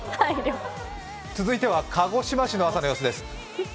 続いては鹿児島市の朝の様子です。